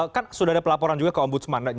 kan sudah ada pelaporan juga ke om budsman